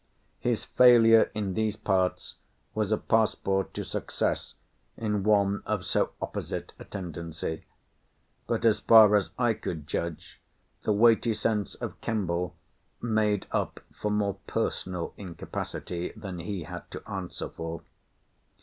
His failure in these parts was a passport to success in one of so opposite a tendency. But, as far as I could judge, the weighty sense of Kemble made up for more personal incapacity than he had to answer for.